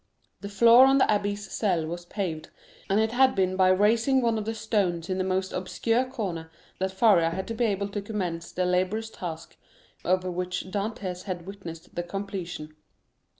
The floor of the abbé's cell was paved, and it had been by raising one of the stones in the most obscure corner that Faria had been able to commence the laborious task of which Dantès had witnessed the completion.